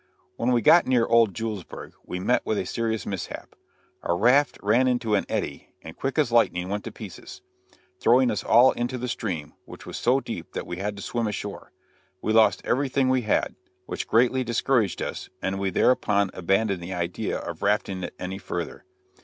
When we got near old Julesburg, we met with a serious mishap. Our raft ran into an eddy, and quick as lightning went to pieces, throwing us all into the stream, which was so deep that we had to swim ashore. We lost everything we had, which greatly discouraged us, and we thereupon abandoned the idea of rafting it any farther.